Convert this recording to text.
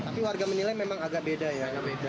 tapi warga menilai memang agak beda ya